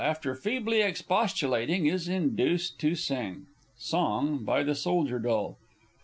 after feebly expostulating, is induced to sing. Song, by the Soldier Doll.